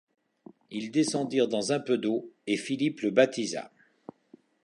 Ils descendirent dans un peu d'eau et Philippe le baptisa.